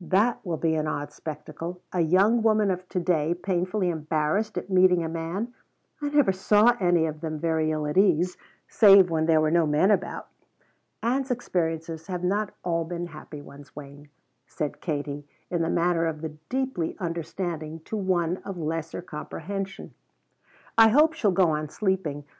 "That will be an odd spectacle a young woman of to day 'painfully embarrassed' at meeting a man. I never saw any of them very ill at ease, save when there were no men about." "Ann's experiences have not all been happy ones, Wayne," said Katie in the manner of the deeply understanding to one of lesser comprehension. "I hope she'll go on sleeping.